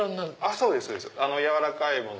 そうですあの柔らかいもの。